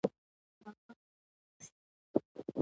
باور دې پوخ شي.